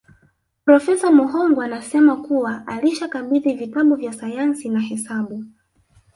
Profesa Muhongo anasema kuwa alishakabidhi vitabu vya Sayansi na Hesabu